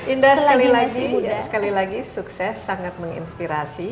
indah sekali lagi sukses sangat menginspirasi